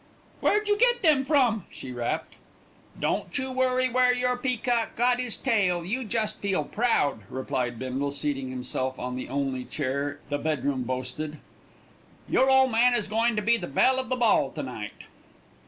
"Where'd you get them from?" she rapped. "Don't you worry where your peacock got 'is tail; you just feel proud," replied Bindle, seating himself on the only chair the bedroom boasted. "Your ole man is goin' to be the belle of the ball to night."